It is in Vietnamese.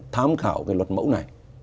thám khảo cái luật mẫu này